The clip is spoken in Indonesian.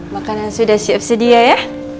makanan sudah siap sedia ya